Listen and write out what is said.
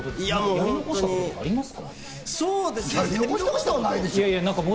やり残したことはないですか？